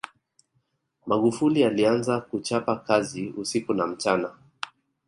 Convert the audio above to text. magufuli alianza kuchapa kazi usiku na mchana